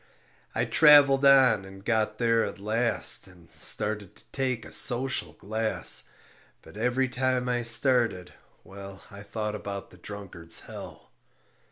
I traveled on and got there at last And started to take a social glass; But every time I started, well, I thought about the Drunkard's Hell.